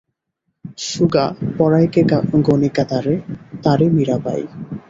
সুগা পড়ায়কে গণিকা তারে, তারে মীরাবাঈ।